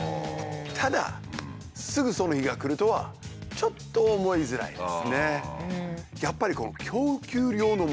ただすぐその日が来るとはちょっと思いづらいですね。